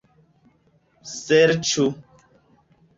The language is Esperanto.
serĉu